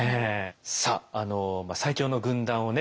さああの最強の軍団をね